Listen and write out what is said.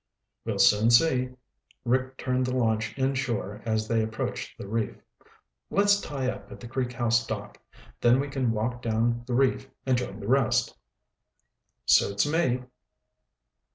"We'll soon see." Rick turned the launch inshore as they approached the reef. "Let's tie up at the Creek House dock. Then we can walk down the reef and join the rest." "Suits me."